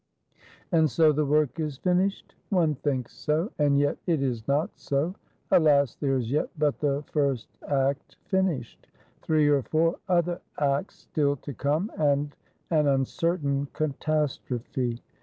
And so the work is finished? One thinks so: and yet it is not so. Alas, there is yet but the first act finished; three or four other acts still to come, and an uncertain catastrophe!